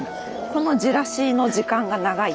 このじらしの時間が長いという。